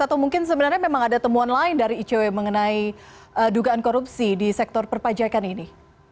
atau mungkin sebenarnya memang ada temuan lain dari icw mengenai dugaan korupsi di sektor perpajakan ini